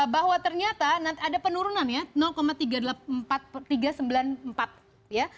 bahwa ternyata ada penurunan ya tiga ratus sembilan puluh empat ya